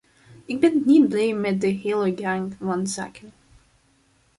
Ik ben niet blij met de hele gang van zaken.